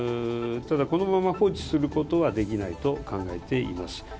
ただ、このまま放置することはできないと考えています。